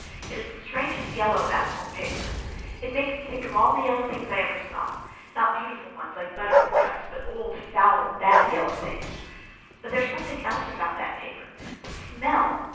It is the strangest yellow, that wallpaper! It makes me think of all the yellow things I ever saw—not beautiful ones like buttercups, but old foul, bad yellow things. But there is something else about that paper—the smell!